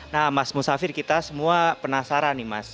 nah mas musafir kita semua penasaran nih mas